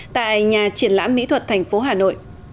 tại nhà triển lãm mỹ thuật thành phố hà nội